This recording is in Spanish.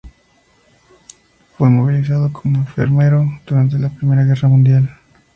Fue movilizado como enfermero durante la Primera Guerra Mundial.